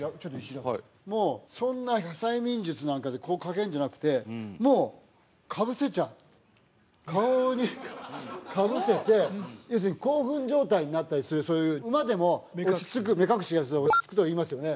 もうそんな催眠術なんかでかけるんじゃなくて顔にかぶせて要するに興奮状態になったりするそういうウマでも目隠しすると落ち着くといいますよね